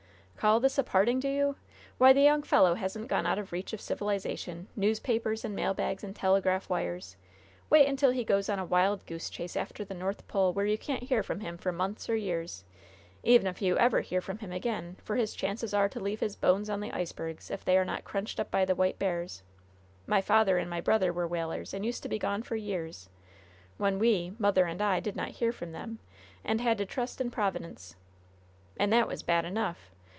"Call this a parting, do you? Why, the young fellow hasn't gone out of reach of civilization newspapers and mail bags and telegraph wires. Wait until he goes on a wild goose chase after the North Pole, where you can't hear from him for months or years, even if you ever hear from him again, for his chances are to leave his bones on the icebergs, if they are not crunched up by the white bears. My father and my brother were whalers, and used to be gone for years, when we mother and I did not hear from them, and had to trust in Providence. And that was bad enough.